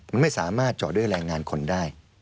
มันไม่สามารถเจาะด้วยแรงงานคนได้